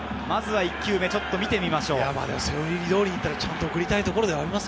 まずは１球目、ちょっと見てみましょう。